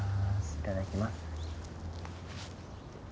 いただきます